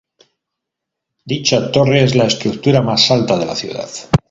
Dicha torre es la estructura más alta de la ciudad.